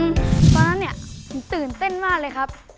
ฟังตอนนั้นเนี่ยผมตื่นเต้นมากเลยครับ